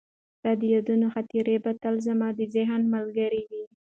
ستا د یادونو خاطرې به تل زما د ذهن ملګرې وي.